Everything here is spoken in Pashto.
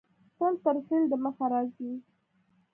تل تر فعل د مخه راځي.